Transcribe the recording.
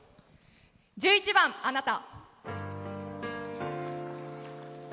１１番「あなた」。